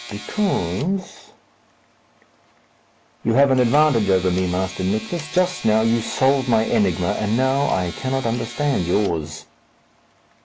"Because " "You have an advantage over me, Master Nicless. Just now you solved my enigma, and now I cannot understand yours."